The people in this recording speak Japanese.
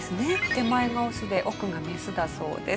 手前がオスで奥がメスだそうです。